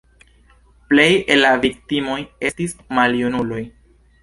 Plej el la viktimoj estis maljunuloj.